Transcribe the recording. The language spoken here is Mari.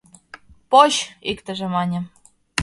«Поч! — иктыже мане.